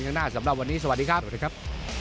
ข้างหน้าสำหรับวันนี้สวัสดีครับ